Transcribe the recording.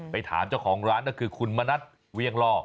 ไปถามเจ้าของร้านก็คือคุณมณัฐเวียงล่อ